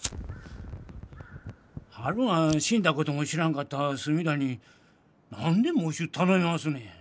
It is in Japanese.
ハルが死んだ事も知らんかった角田に何で喪主頼みますのや。